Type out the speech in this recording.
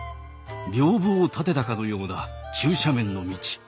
びょうぶを立てたかのような急斜面の道。